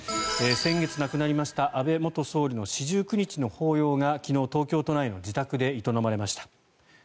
先月亡くなりました安倍元総理の四十九日の法要が昨日、東京都内の自宅で営まれました。